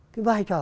cái vai trò